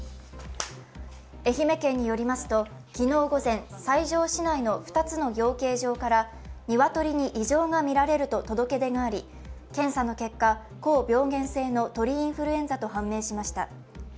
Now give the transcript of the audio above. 愛媛県によりますと、昨日午前、西条市内の２つの養鶏場から鶏に異常がみられると届け出があり検査の結果、高病原性の鳥インフルエンザと判明しました。